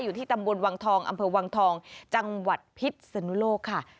อยู่ที่ตำบลวังทองอำเภอวังทองจังหวัดพิษสนุโลกค่ะ